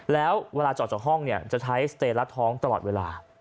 แล้วเวลาจอดจากห้องจะท้ายสเตยรักท้องตลอดเวลา